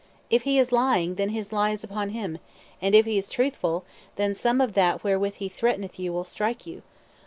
If he is lying, then his lie is upon him; and if he is truthful, then some of that wherewith he threateneth you will strike you.